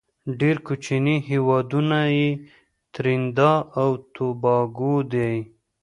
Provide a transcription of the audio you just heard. ډیر کوچینی هیوادونه یې تريندا او توباګو دی.